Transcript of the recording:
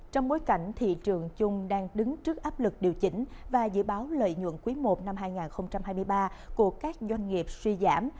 trong bối cảnh thị trường chung đang đứng trước áp lực điều chỉnh và dự báo lợi nhuận quý i năm hai nghìn hai mươi ba của các doanh nghiệp suy giảm